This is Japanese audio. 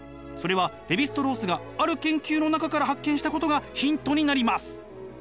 それはレヴィ＝ストロースがある研究の中から発見したことがヒントになります。